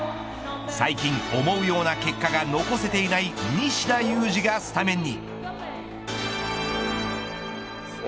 最近、思うような結果が残せていない西田有志がスタメンに。